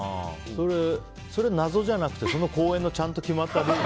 それ謎じゃなくてその公園のちゃんと決まったルール。